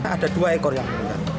ada dua ekor yang meninggal